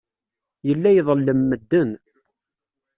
Yella iḍellem medden.